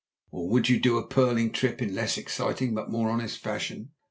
Or would you do a pearling trip in less exciting but more honest fashion?